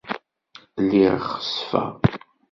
Lliɣ xessfeɣ.